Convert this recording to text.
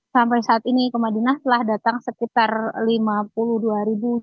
sampai saat ini ke madinah telah datang sekitar lima puluh dua ribu dua puluh